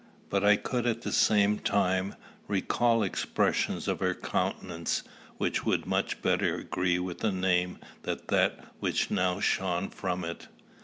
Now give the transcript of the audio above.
But I could at the same time, recall expressions of her countenance which would much better agree with the name than that which now shone from it.